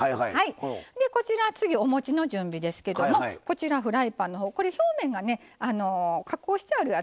こちら次おもちの準備ですけどもこちらフライパンこれ表面が加工してあるやつ。